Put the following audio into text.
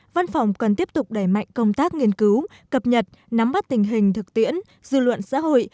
văn phòng cần tiếp tục đẩy mạnh công tác nghiên cứu cập nhật nắm bắt tình hình thực tiễn dư luận xã hội